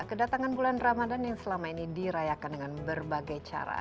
kedatangan bulan ramadan yang selama ini dirayakan dengan berbagai cara